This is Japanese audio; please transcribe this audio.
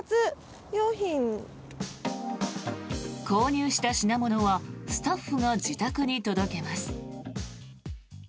購入した品物はスタッフが自宅に届けます。